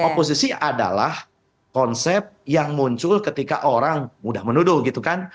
oposisi adalah konsep yang muncul ketika orang mudah menuduh gitu kan